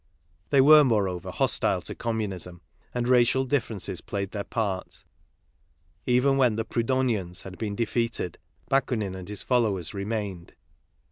They were, more over, hostile to Communism; and racial differences played their part. Even when the Proudhoniens had been defeated, Bakunin and his followers remained.